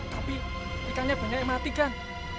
tapi ikannya banyak yang mati matikan